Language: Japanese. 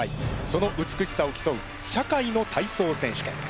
その美しさを競う「社会の体操選手権」。